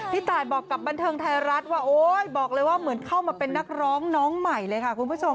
ตายบอกกับบันเทิงไทยรัฐว่าโอ๊ยบอกเลยว่าเหมือนเข้ามาเป็นนักร้องน้องใหม่เลยค่ะคุณผู้ชม